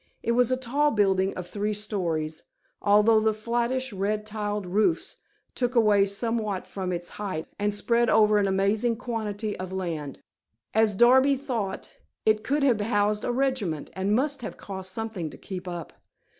It was a tall building of three stories, although the flattish red tiled roofs took away somewhat from its height, and spread over an amazing quantity of land. As Darby thought, it could have housed a regiment, and must have cost something to keep up.